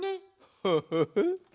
ハハハ。